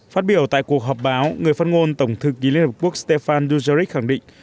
phát biểu tại cuộc họp báo người phát ngôn tổng thư ký liên hợp quốc stefan duzeric khẳng định